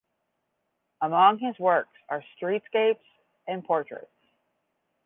Among his works are streetscapes and portraits.